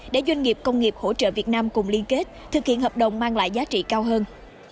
để doanh nghiệp công nghiệp hỗ trợ việt nam cùng liên kết thực hiện hợp đồng mang lại giá trị cao hơn